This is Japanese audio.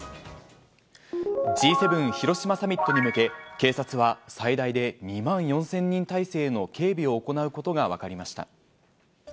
Ｇ７広島サミットに向け、警察は最大で２万４０００人態勢の警備を行うことが分かりました。